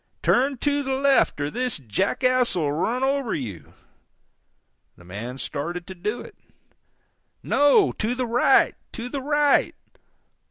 Turn to the left, or this jackass 'll run over you!" The man started to do it. "No, to the right, to the right!